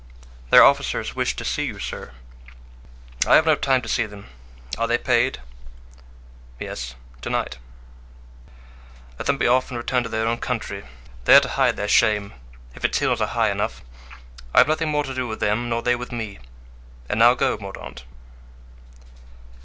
"Their officers wish to see you, sir." "I have no time to see them. Are they paid?" "Yes, to night." "Let them be off and return to their own country, there to hide their shame, if its hills are high enough; I have nothing more to do with them nor they with me. And now go, Mordaunt."